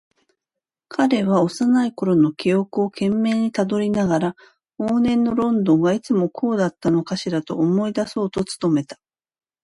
彼は幼いころの記憶を懸命にたぐりながら、往年のロンドンがいつもこうだったのかしらと思い出そうと努めた。